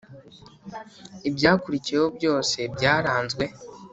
ibyakurikiyeho byose byaranzwe